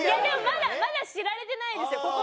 でもまだ知られてないですよ